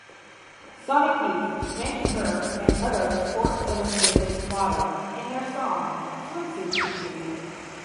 Sonic Youth mention her and other Sports Illustrated models in their song "Swimsuit Issue".